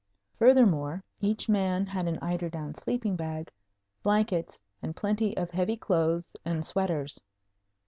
Furthermore, each man had an eiderdown sleeping bag, blankets, and plenty of heavy clothes and sweaters.